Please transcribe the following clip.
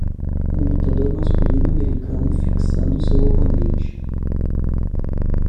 Um lutador masculino americano fixando seu oponente.